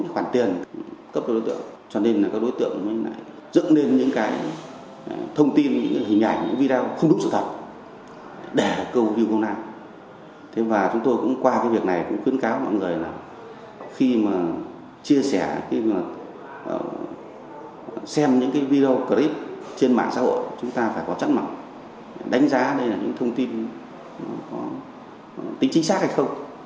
khi mà chia sẻ khi mà xem những cái video clip trên mạng xã hội chúng ta phải có chắc mặc đánh giá đây là những thông tin có tính chính xác hay không